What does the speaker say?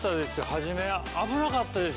初め危なかったですよ。